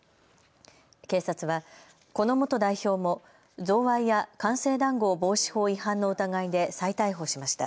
警察はこの元代表も贈賄や官製談合防止法違反の疑いで再逮捕しました。